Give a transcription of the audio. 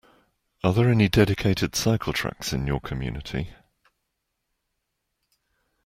Are there any dedicated cycle tracks in your community?